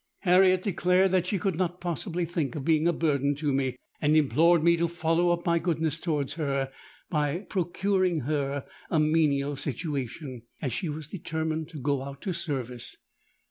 Harriet declared that she could not possibly think of being a burden to me, and implored me to follow up my goodness towards her by procuring her a menial situation—as she was determined to go out to service.